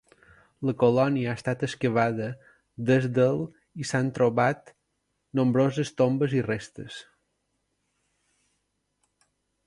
La colònia ha estat excavada des del i s'han trobat nombroses tombes i restes.